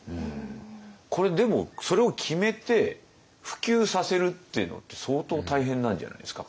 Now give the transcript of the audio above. これでもそれを決めて普及させるっていうのって相当大変なんじゃないですか？